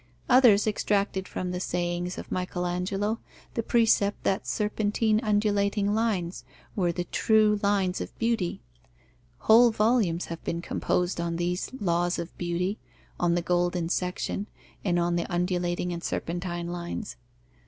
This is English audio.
Others extracted from the sayings of Michael Angelo the precept that serpentine undulating lines were the true lines of beauty. Whole volumes have been composed on these laws of beauty, on the golden section and on the undulating and serpentine lines.